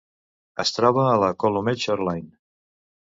Es troba a la Calumet Shoreline.